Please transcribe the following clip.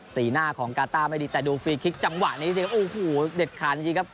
สีหน้าของกาต้าไม่ดีแต่ดูฟรีคลิกจังหวะนี้สิโอ้โหเด็ดขาดจริงครับ